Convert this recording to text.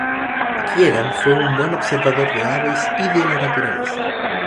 Kieran fue un buen observador de aves y de la naturaleza.